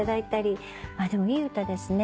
でもいい歌ですね